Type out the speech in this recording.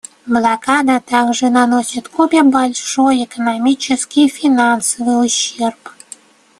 Блокада также наносит Кубе большой экономический и финансовый ущерб.